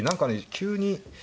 急に。